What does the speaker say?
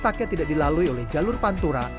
dan letaknya tidak dilalui oleh jalur pantura